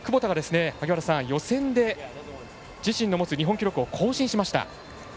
窪田が自身の持つ日本記録を更新しました。